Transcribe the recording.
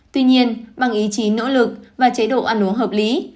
tuy nhiên bằng ý chí nỗ lực và chế độ ăn uống hợp lý